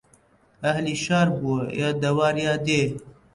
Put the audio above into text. ئەهلی شار بووە یا دەوار یا دێ